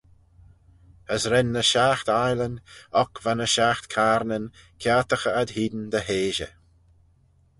As ren ny shiaght ainleyn, oc va ny shiaght cayrnyn, kiartaghey ad-hene dy heidey.